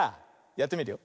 やってみるよ。